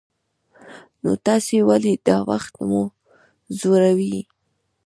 نو تاسې ولې دا وخت ما ځوروئ.